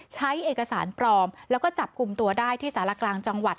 ใช้เอกสารปลอมแล้วก็จับกลุ่มตัวได้ที่สารกลางจังหวัด